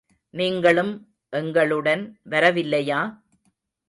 நீங்களும் எங்களுடன் வரவில்லையா?